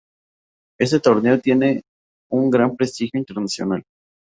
Este torneo tiene un gran prestigio internacional.